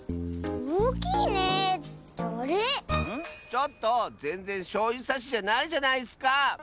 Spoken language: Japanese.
ちょっとぜんぜんしょうゆさしじゃないじゃないッスか！